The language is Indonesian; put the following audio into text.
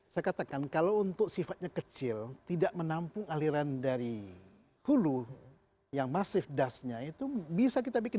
saya katakan kalau untuk sifatnya kecil tidak menampung aliran dari hulu yang masif dasnya itu bisa kita bikin